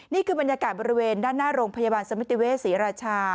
นี่คือบรรยากาศบริเวณด้านหน้าโรงพยาบาลสมิติเวศรีราชา